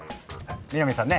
南さんね。